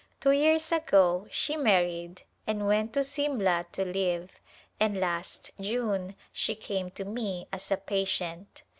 Two years ago she married and went to Simla to live and last June she came to me as a patient.